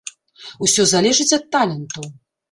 Усё залежыць ад таленту.